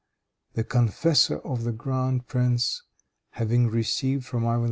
The confessor of the grand prince, having received from Ivan IV.